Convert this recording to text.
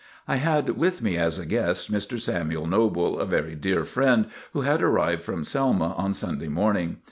I had with me as a guest, Mr. Samuel Noble, a very dear friend who had arrived from Selma on Sunday morning.